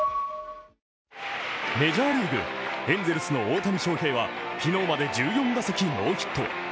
メジャーリーグエンゼルスの大谷翔平は昨日まで１４打席ノーヒット。